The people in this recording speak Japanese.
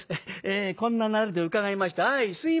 こんななりで伺いまして相すいません。